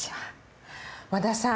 和田さん